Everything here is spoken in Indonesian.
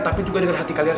tapi juga dengan hati kalian